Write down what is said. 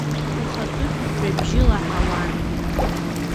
Лхатәы ҳәҳәабжьы лаҳауан.